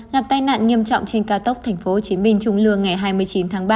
gặp tai nạn nghiêm trọng trên cao tốc tp hcm trung lương ngày hai mươi chín tháng ba